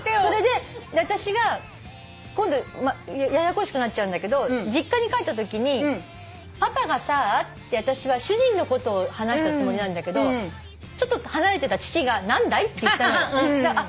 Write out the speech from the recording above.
それで私が今度ややこしくなっちゃうんだけど実家に帰ったときにパパがさって私は主人のことを話したつもりなんだけどちょっと離れてた父が何だいって言ったのよ。